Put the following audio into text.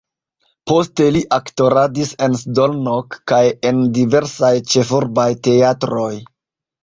Poste li aktoradis en Szolnok kaj en diversaj ĉefurbaj teatroj.